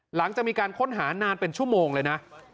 หลังจากมีการค้นหานานเป็นชั่วโมงเลยนะ